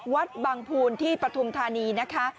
วัดบังภูลที่ปฐุมธานีนะคะ